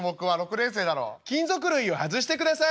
「金属類を外してください」。